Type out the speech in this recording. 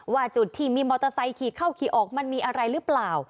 ว่าจุดที่มีมอเตอร์ไซค์ขี่เข้าขี่ออกมันมีอะไรหรือเปล่า